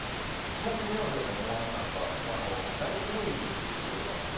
霜降り明星のＭ−１なんかはライブビューイングっていう仕事があって。